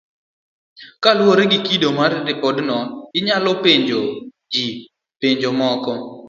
Kaluwore gi kido mar ripodno, inyalo penjo ji penjo moko,